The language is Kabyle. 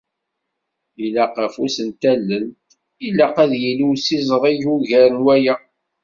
Ilaq afus n tallelt, ilq ad yili usiẓreg ugar n waya.